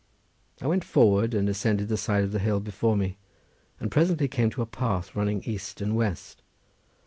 I went forward and ascended the side of the hill before me, and presently came to a path running east and west.